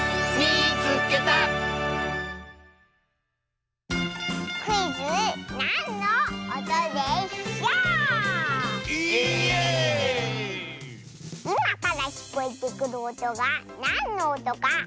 いまからきこえてくるおとがなんのおとかあてる！